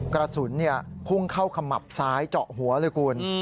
กระสุนพุ่งเข้าขมับซ้ายเจาะหัวเลยคุณ